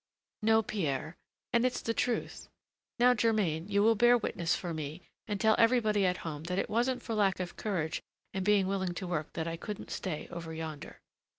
"No, Pierre, and it's the truth. Now, Germain, you will bear witness for me and tell everybody at home that it wasn't for lack of courage and being willing to work that I couldn't stay over yonder."